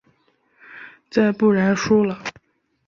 再不然输了？